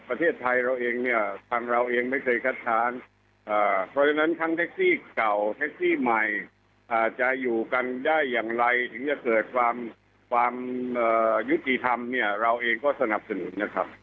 ประเทศไทยเราเองเนี่ยทางเราเองไม่เคยคัดค้านเพราะฉะนั้นทั้งแท็กซี่เก่าแท็กซี่ใหม่จะอยู่กันได้อย่างไรถึงจะเกิดความความยุติธรรมเนี่ยเราเองก็สนับสนุนนะครับ